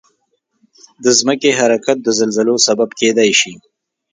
د ځمکې حرکت د زلزلو سبب کېدای شي.